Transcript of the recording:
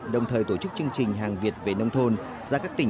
đồng thời tổ chức chương trình hàng việt về nông thôn ra các tỉnh